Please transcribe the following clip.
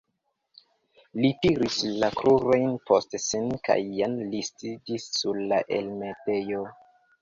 Li tiris la krurojn post sin kaj jen li sidis sur la elmetejo.